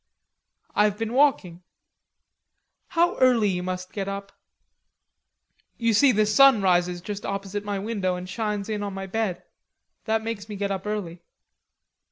"I've been walking." "How early you must get up!" "You see, the sun rises just opposite my window, and shines in on my bed. That makes me get up early."